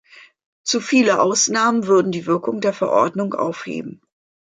Zu viele Ausnahmen würden die Wirkung der Verordnung aufheben.